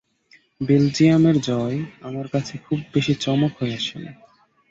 বেলজিয়ামের জয় আমার কাছে খুব বেশি চমক হয়ে আসেনি।